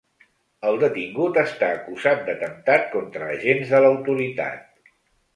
El detingut està acusat d’atemptat contra agents de l’autoritat.